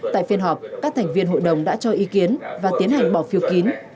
tại phiên họp các thành viên hội đồng đã cho ý kiến và tiến hành bỏ phiếu kín